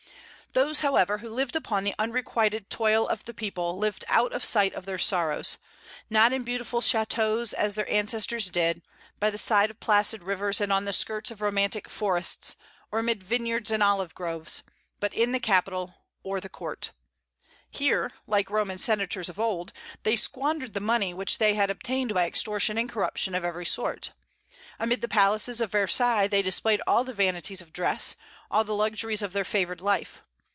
Those, however, who lived upon the unrequited toil of the people lived out of sight of their sorrows, not in beautiful châteaux, as their ancestors did, by the side of placid rivers and on the skirts of romantic forests, or amid vineyards and olive groves, but in the capital or the court. Here, like Roman senators of old, they squandered the money which they had obtained by extortion and corruption of every sort. Amid the palaces of Versailles they displayed all the vanities of dress, all the luxuries of their favored life.